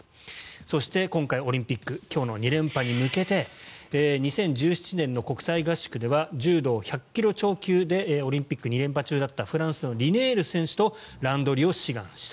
そして、今回オリンピック今日の２連覇に向けて２０１７年の国際合宿では柔道１００ｋｇ超級でオリンピック２連覇中だったフランスのリネール選手と乱取りを志願した。